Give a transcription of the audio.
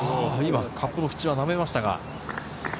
カップの縁は舐めましたが。